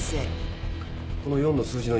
この４の数字の意味は？